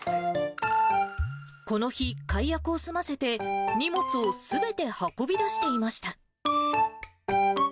この日、解約を済ませて、荷物をすべて運び出していました。